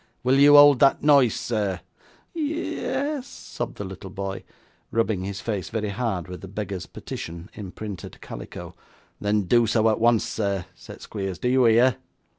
Will you hold that noise, sir?' 'Ye ye yes,' sobbed the little boy, rubbing his face very hard with the Beggar's Petition in printed calico. 'Then do so at once, sir,' said Squeers. 'Do you hear?